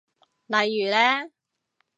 例如呢？